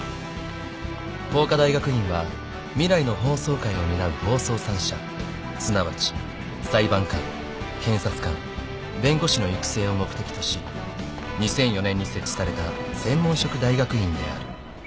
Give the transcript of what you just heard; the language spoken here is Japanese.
［法科大学院は未来の法曹界を担う法曹三者すなわち裁判官検察官弁護士の育成を目的とし２００４年に設置された専門職大学院である］